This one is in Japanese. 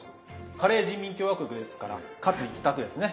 カレー人民共和国ですからカツ一択ですね。